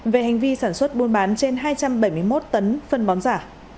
về hành vi sản xuất buôn bán trên hai trăm bảy mươi một tấn phân bón giả